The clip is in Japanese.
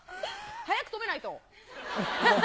早く止めないと。